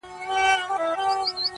څوک یې ژړولي پرې یا وړی یې په جبر دی-